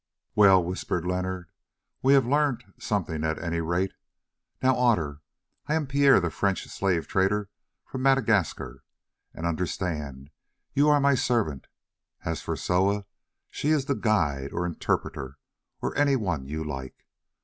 "Well," whispered Leonard, "we have learnt something at any rate. Now, Otter, I am Pierre the French slave trader from Madagascar, and, understand, you are my servant; as for Soa, she is the guide, or interpreter, or anyone you like.